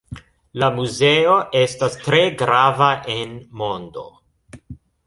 La muzeo estas tre grava en mondo.